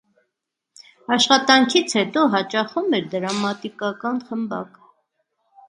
Աշխատանքից հետո հաճախում էր դրամատիկական խմբակ։